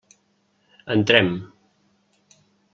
Entrem.